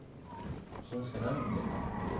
進之介何見てんだ？